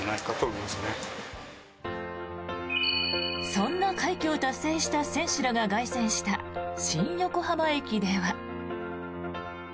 そんな快挙を達成した選手らが凱旋した新横浜駅では。